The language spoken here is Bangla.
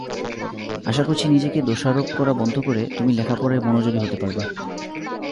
আশা করছি নিজেকে দোষারোপ করা বন্ধ করে তুমি লেখাপড়ায় মনোযোগী হতে পারবে।